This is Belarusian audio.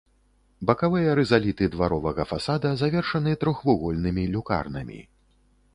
Бакавыя рызаліты дваровага фасада завершаны трохвугольнымі люкарнамі.